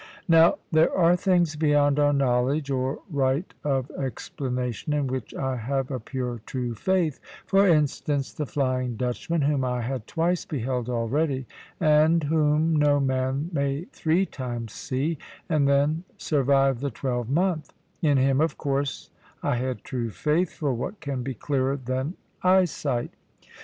Now there are things beyond our knowledge, or right of explanation, in which I have a pure true faith for instance, the "Flying Dutchman," whom I had twice beheld already, and whom no man may three times see, and then survive the twelvemonth; in him, of course, I had true faith for what can be clearer than eyesight?